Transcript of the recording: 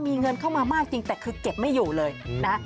มีเงินเข้ามามากจริงแต่คือเก็บไม่อยู่เลยนะ